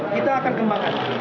kita akan kembangkan